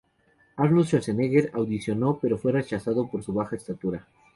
Arnold Schwarzenegger audicionó, pero fue rechazado por su baja estatura.